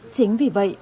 chính vì vậy